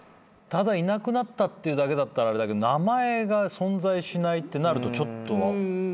ただいなくなったっていうだけだったらあれだけど名前が存在しないってなるとちょっと。